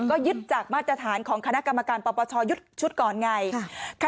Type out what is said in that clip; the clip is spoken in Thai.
ก็ยึดจากมาตรฐานของคณะกรรมการปปชยึดชุดก่อนไง